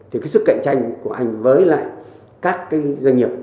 thì cái sức cạnh tranh của anh với lại các cái doanh nghiệp